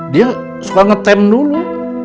dia suka ngetem dulu